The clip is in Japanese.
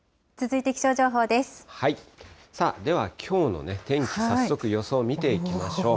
さあ、ではきょうの天気、早速予想を見ていきましょう。